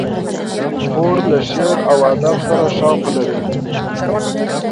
خور له شعر و ادب سره شوق لري.